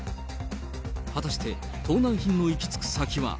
果たして、盗難品の行き着く先は。